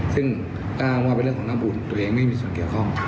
ซึ่งอ้างว่าเป็นเรื่องของน้ำอุ่นตัวเองไม่มีส่วนเกี่ยวข้อง